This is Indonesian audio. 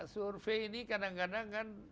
survei ini kadang kadang kan